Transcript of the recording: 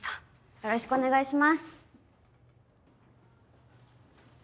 よろしくお願いします。